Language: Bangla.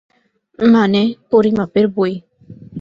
মানে, পরিমাপের বই।